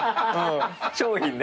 商品ね。